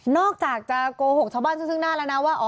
อกจากจะโกหกชาวบ้านซึ่งหน้าแล้วนะว่า